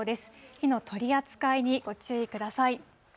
火の取り扱いにご注意ください。